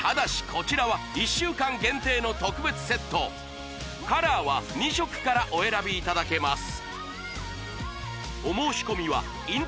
こちらは１週間限定の特別セットカラーは２色からお選びいただけます